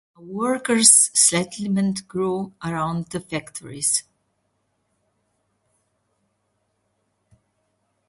A workers' settlement grew around the factories.